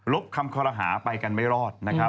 ลบคำคระหาไปกันไม่รอด